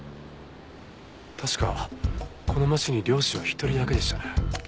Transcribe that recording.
確かこの町に猟師は一人だけでしたね。